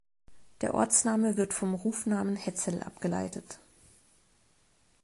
Der Ortsname wird vom Rufnamen "Hetzel" abgeleitet.